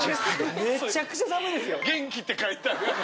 めちゃくちゃ寒いですよ。